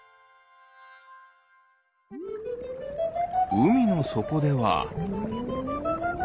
うみのそこでは。